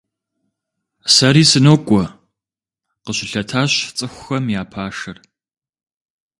Сэри сынокӀуэ, – къыщылъэтащ цӀыхухэм я пашэр.